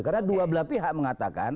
karena dua belah pihak mengatakan